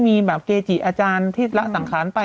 มีแบบเกจิอาจารย์ที่ละสังขารไป